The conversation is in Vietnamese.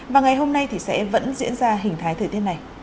và ngày hôm nay thì sẽ vẫn diễn ra hình thái thời tiết này